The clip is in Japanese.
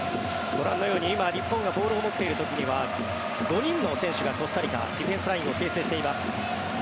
ご覧のように今、日本がボールを持っている時には５人の選手が、コスタリカはディフェンスラインを形成しています。